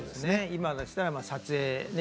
今でしたら撮影ですね。